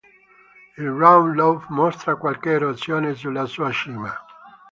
Il Round Loaf mostra qualche erosione sulla sua cima.